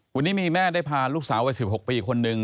วันนี้มีแม่ได้พาลูกสาววัย๑๖ปีคนนึง